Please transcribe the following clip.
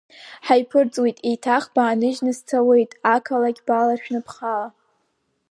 Ҳаиԥырҵуеит, еиҭах бааныжьны сцауеит, ақалақь баларшәны бхала…